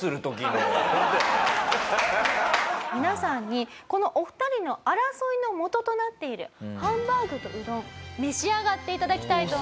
皆さんにこのお二人の争いのもととなっているハンバーグとうどん召し上がって頂きたいと思います。